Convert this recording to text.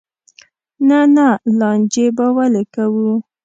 نه نه لانجې به ولې کوو.